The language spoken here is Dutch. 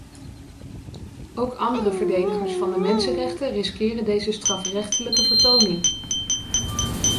Ook andere verdedigers van de mensenrechten riskeren deze strafrechtelijke vertoning.